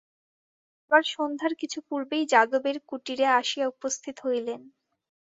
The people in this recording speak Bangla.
আবার সন্ধ্যার কিছু পূর্বেই যাদবের কুটিরে আসিয়া উপস্থিত হইলেন।